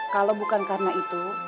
kalau bukan karena itu